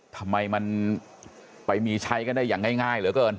ทำไมมันไปมีใช้กันได้อย่างง่ายเหลือเกิน